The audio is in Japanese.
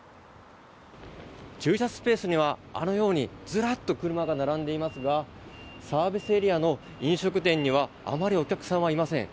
駐車スペースにはあのようにずらっと車が並んでいますがサービスエリアの飲食店にはあまりお客さんはいません。